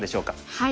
はい。